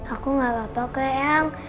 aku gak apa apa ke yang